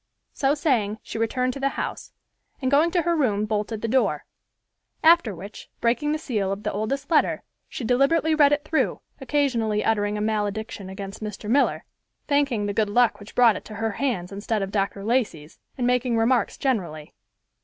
So saying, she returned to the house and, going to her room, bolted the door. After which, breaking the seal of the oldest letter, she deliberately read it through, occasionally uttering a malediction against Mr. Miller, thanking the good luck which brought it to her hands instead of Dr. Lacey's, and making remarks generally.